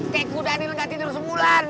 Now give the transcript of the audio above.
kayak kuda nih yang gak tidur sebulan